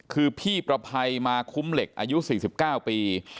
คือพี่ประภัยมาคุ้มเหล็กอายุ๔๙ปี